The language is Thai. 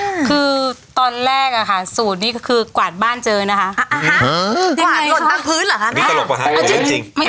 อืมคือตอนแรกอ่ะค่ะสูตรนี่คือกวาดบ้านเจอนะคะ